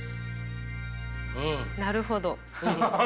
なるほど。